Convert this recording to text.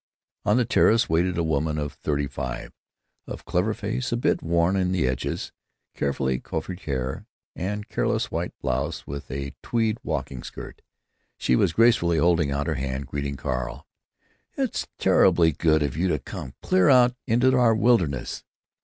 On the terrace waited a woman of thirty five, of clever face a bit worn at the edges, carefully coiffed hair, and careless white blouse with a tweed walking skirt. She was gracefully holding out her hand, greeting Carl, "It's terribly good of you to come clear out into our wilderness."